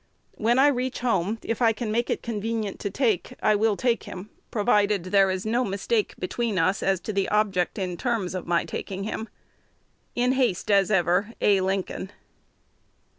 When I reach home, if I can make it convenient to take, I will take him, provided there is no mistake between us as to the object and terms of my taking him. In haste as ever, A. Lincoln.